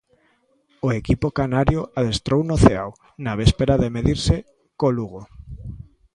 O equipo canario adestrou no Ceao na véspera de medirse co Lugo.